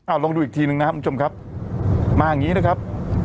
เอาลองดูอีกทีหนึ่งนะครับคุณผู้ชมครับมาอย่างงี้นะครับ